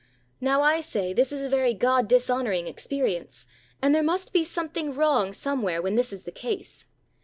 Now I say, this is a very God dishonoring experience, and there must be something wrong somewhere when this is the case.